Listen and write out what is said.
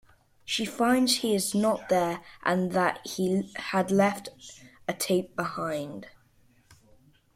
She finds he is not there and that he had left a tape behind.